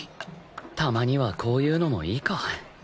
たまにはこういうのもいいか